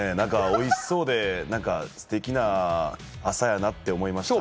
おいしそうですてきな朝やなって思いました。